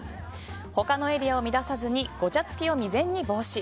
他のエリアを乱さずにごちゃつきを未然に防止。